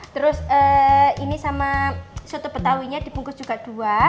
terus ini sama soto betawinya dibungkus juga dua